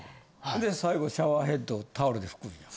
で最後シャワーヘッドタオルで拭くんや。